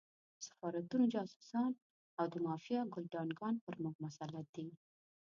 د سفارتونو جاسوسان او د مافیا ګُلډانګان پر موږ مسلط دي.